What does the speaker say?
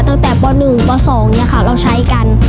ตั้งแต่ป๑ป๒เราใช้กัน